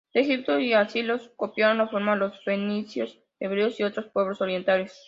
De egipcios y asirios copiaron la forma los fenicios, hebreos y otros pueblos orientales.